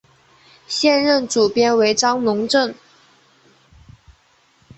现任主编为张珑正。